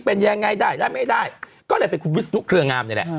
เป็นยังไงได้ได้ไม่ได้ก็เลยเป็นคุณวิศนุเครืองามนี่แหละ